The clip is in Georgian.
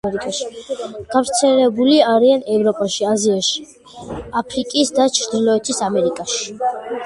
გავრცელებული არიან ევროპაში, აზიაში, აფრიკასა და ჩრდილოეთ ამერიკაში.